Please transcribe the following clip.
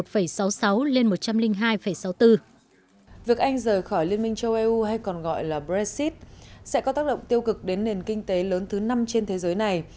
việc anh rời khỏi liên minh châu âu hay còn gọi là brexit sẽ có tác động tiêu cực đến nền kinh tế lớn thứ năm trên thế giới này